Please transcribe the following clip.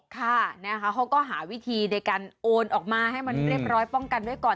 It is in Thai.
ค่ะนะคะเขาก็หาวิธีในการโอนออกมาให้มันเรียบร้อยป้องกันไว้ก่อน